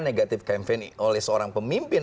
negatif campaign oleh seorang pemimpin